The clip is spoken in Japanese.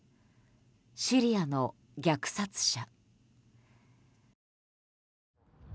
シリアの虐殺者。